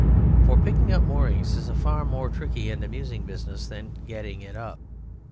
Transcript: For picking up moorings is a far more tricky and amusing business than Getting It up.